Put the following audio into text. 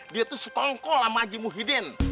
dia tuh setongkol sama aji muhyiddin